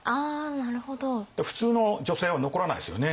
普通の女性は残らないですよね